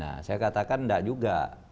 nah saya katakan enggak juga